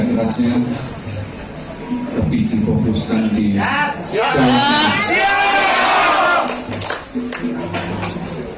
ini kerja kerasnya lebih dipoboskan di jawa tengah